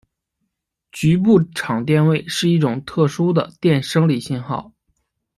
局部场电位是一类特殊的电生理信号。